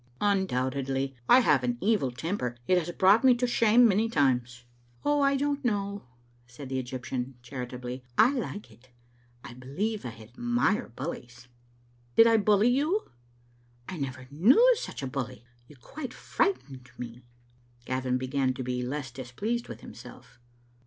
" Undoubtedly, I have an evil temper. It has brought me to shame many times." "Oh, I don't know," said the Egyptian, charitably. *' I like it. I believe I admire bullies." "Did I bully you?" " I never knew such a bully. You quite frightened me. Gavin began to be less displeased with himself.